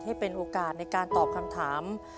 ให้เป็นโอกาสในการตอบคำถาม